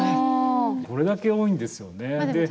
これだけ多いんですよね。